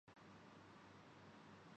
وہ دور تھا۔